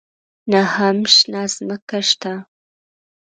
نه هم شنه ځمکه شته.